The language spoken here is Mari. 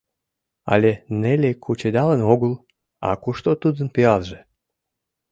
Але Нелли кучедалын огыл, а кушто тудын пиалже?